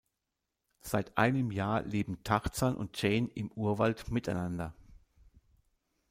Seit einem Jahr leben Tarzan und Jane im Urwald miteinander.